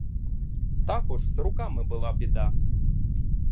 Також з руками була біда.